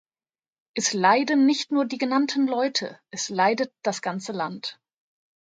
Es leiden nicht nur die genannten Leute, es leidet das ganze Land.